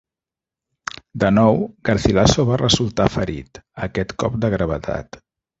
De nou, Garcilaso va resultar ferit, aquest cop de gravetat.